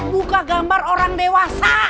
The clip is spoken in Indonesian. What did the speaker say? buka gambar orang dewasa